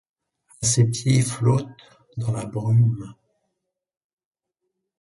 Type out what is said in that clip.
A ses pieds flotte. dans la brume